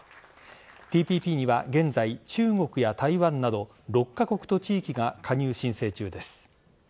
ＴＰＰには現在、中国や台湾など６カ国と地域が加入申請中です。